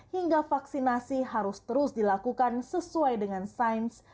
hingga vaksinasi harus terus dilakukan sesuai dengan sains